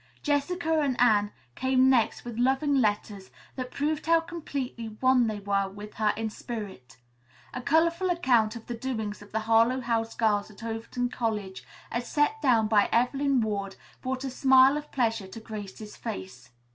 Jessica and Anne came next with loving letters that proved how completely one they were with her in spirit. A colorful account of the doings of the Harlowe House girls at Overton College as set down by Evelyn Ward brought a smile of pleasure to Grace's face.